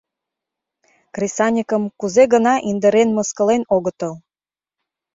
Кресаньыкым кузе гына индырен-мыскылен огытыл.